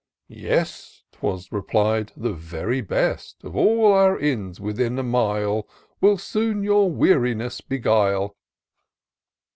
" Yes," 'twas replied —" the very best Of all our inns, within a mile. Will soon your weariness beguile."